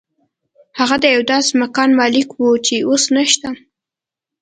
هغه د یو داسې مکان مالک و چې اوس نشته